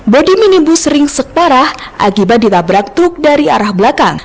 bodi minibus ringsek parah akibat ditabrak truk dari arah belakang